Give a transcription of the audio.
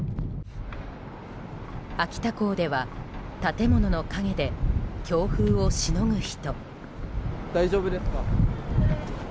秋田港では建物の陰で強風をしのぐ人。